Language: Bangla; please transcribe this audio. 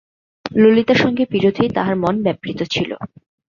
ললিতার সঙ্গে বিরোধেই তাহার মন ব্যাপৃত ছিল।